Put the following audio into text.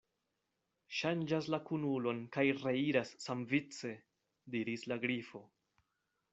"Ŝanĝas la kunulon kaj reiras samvice," diris la Grifo.